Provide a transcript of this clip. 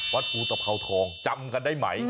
วัดภูตภาวทองจำกันได้ไหม